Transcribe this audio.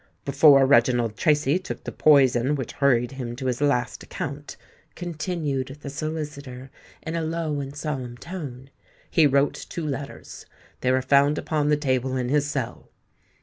"Before Reginald Tracy took the poison which hurried him to his last account," continued the solicitor in a low and solemn tone, "he wrote two letters. These were found upon the table in his cell.